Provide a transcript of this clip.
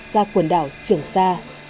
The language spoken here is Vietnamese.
ra quần đảo trường sa